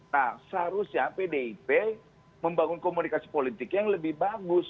nah seharusnya pdip membangun komunikasi politik yang lebih bagus